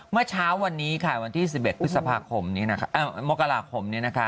เมื่อเช้าวันนี้ค่ะวันที่๑๑มกราคม